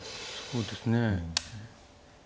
そうですね。